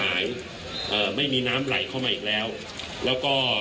คุณผู้ชมไปฟังผู้ว่ารัฐกาลจังหวัดเชียงรายแถลงตอนนี้ค่ะ